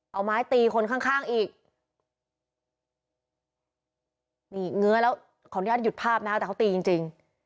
เอาไม้ตีคนข้างข้างอีกนี่เงื้อแล้วขออนุญาตหยุดภาพนะครับแต่เขาตีจริงจริง